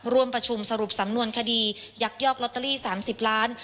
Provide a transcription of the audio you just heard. ร่วมประชุมสรุปสำนวนคดียักยอกลอตเตอรี่๓๐ล้าน